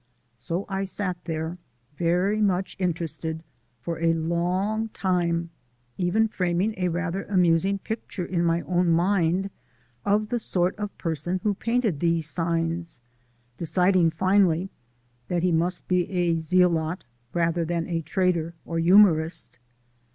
So I sat there very much interested, for a long time, even framing a rather amusing picture in my own mind of the sort of person who painted these signs, deciding finally that he must be a zealot rather than a trader or humourist.